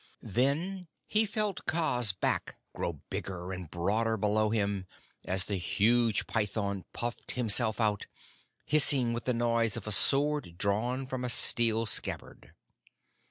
Then he felt Kaa's back grow bigger and broader below him as the huge python puffed himself out, hissing with the noise of a sword drawn from a steel scabbard.